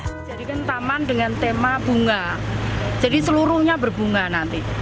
menjadikan taman dengan tema bunga jadi seluruhnya berbunga nanti